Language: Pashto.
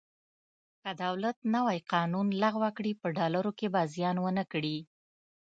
که دولت نوی قانون لغوه کړي په ډالرو کې به زیان ونه کړي.